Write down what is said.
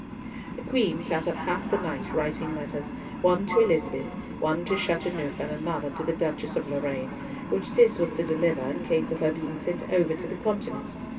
The Queen sat up half the night writing letters, one to Elizabeth, one to Chateauneuf, and another to the Duchess of Lorraine, which Cis was to deliver in case of her being sent over to the Continent.